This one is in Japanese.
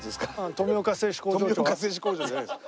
富岡製糸工場じゃないです。